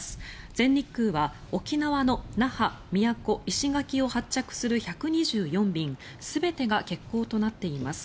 全日空は沖縄の那覇、宮古、石垣を発着する１２４便全てが欠航となっています。